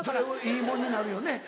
それはいいもんになるよね